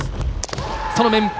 その面！